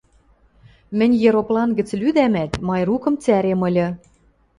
Мӹнь ероплан гӹц лӱдӓмӓт, Майрукым цӓрем ыльы: